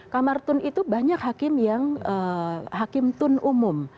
kamar tun itu banyak hakim tun umum